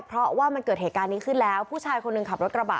เพราะว่ามันเกิดเหตุการณ์นี้ขึ้นแล้วผู้ชายคนหนึ่งขับรถกระบะ